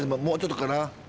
もうちょっとかな？